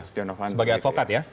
setiaun of honor sebagai advokat ya